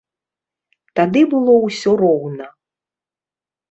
Тады было ўсё роўна.